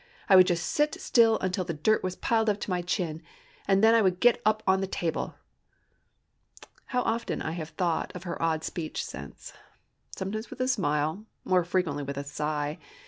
I would just sit still until the dirt was piled up to my chin, and then I would get upon the table!" How often I have thought of her odd speech since! sometimes with a smile—more frequently with a sigh.